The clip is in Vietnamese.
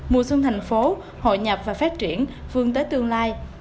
mùa xuân thành phố hội nhập và phát triển phương tới tương lai